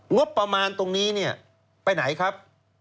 งบประมาณตรงนี้เนี่ยไปไหนครับ